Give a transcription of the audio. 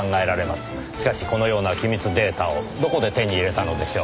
しかしこのような機密データをどこで手に入れたのでしょう？